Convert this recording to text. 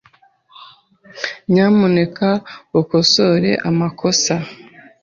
Nyamuneka ukosore amakosa.